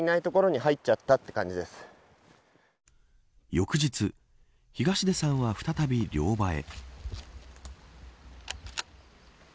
翌日、東出さんは再び猟場へ。